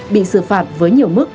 bị xử phạt với nhiều mức